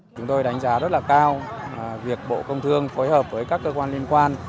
chúng tôi đánh giá rất là cao việc bộ công thương phối hợp với các cơ quan liên quan